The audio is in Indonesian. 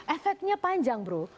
efeknya panjang bro